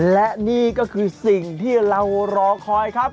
และนี่ก็คือสิ่งที่เรารอคอยครับ